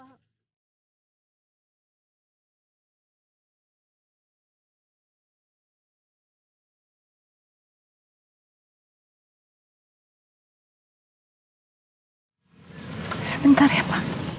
sebentar ya pak